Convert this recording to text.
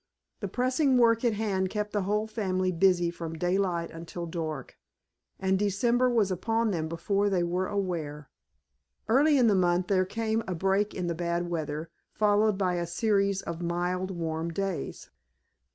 The pressing work at hand kept the whole family busy from daylight until dark, and December was upon them before they were aware. Early in the month there came a break in the bad weather, followed by a series of mild, warm days.